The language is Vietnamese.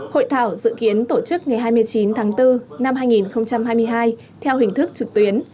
hội thảo dự kiến tổ chức ngày hai mươi chín tháng bốn năm hai nghìn hai mươi hai theo hình thức trực tuyến